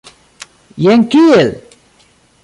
Jen kiel?